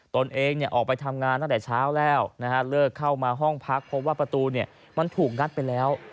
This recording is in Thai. ตนเองออกไปทำงานตั้งแต่เช้าแล้วเลิกเข้ามาห้องพักพบว่าประตูมันถูกงัดไปแล้ว